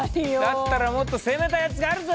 だったらもっと攻めたやつがあるぞ！